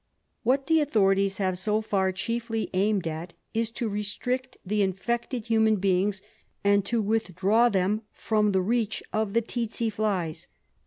What the authorities have so far chiefly aimed at is to restrict the infected human beings and to withdraw them from the reach of tsetse flies.